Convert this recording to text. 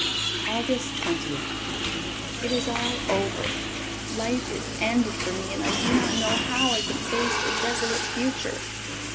August Twentieth. It is all over. Life is ended for me and I do not know how I can face the desolate future.